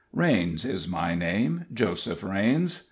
Raines is my name Joseph Raines.